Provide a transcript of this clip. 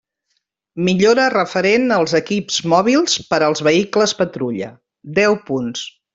Millora referent als equips mòbils per als vehicles patrulla: deu punts.